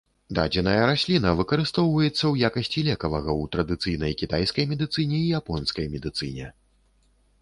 Дадзеная расліна выкарыстоўваецца ў якасці лекавага у традыцыйнай кітайскай медыцыне і японскай медыцыне.